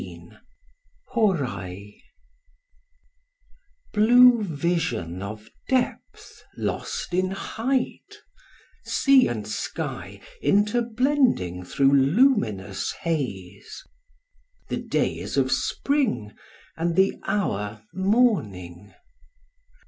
] HŌRAI Blue vision of depth lost in height,—sea and sky interblending through luminous haze. The day is of spring, and the hour morning.